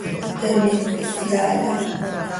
He miicp ihsyai aha.